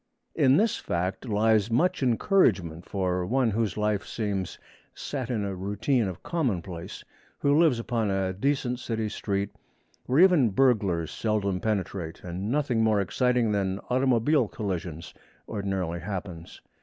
In this fact lies much encouragement for one whose life seems set in a routine of commonplace; who lives upon a decent city street, where even burglars seldom penetrate, and nothing more exciting than automobile collisions ordinarily happens.